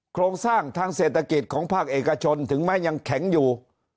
โครงสร้างทางเศรษฐกิจของภาคเอกชนถึงแม้ยังแข็งอยู่